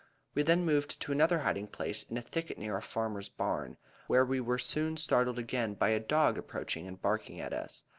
We then moved to another hiding place in a thicket near a farmer's barn, where we were soon startled again by a dog approaching and barking at us.